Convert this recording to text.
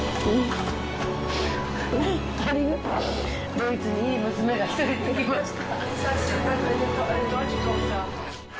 ドイツにいい娘が１人できました。